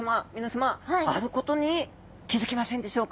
あることに気付きませんでしょうか。